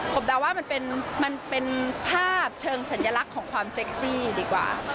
ผมเดาว่ามันเป็นภาพเชิงสัญลักษณ์ของความเซ็กซี่ดีกว่า